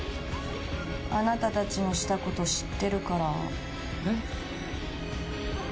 あなたたちのしたこと知ってるから。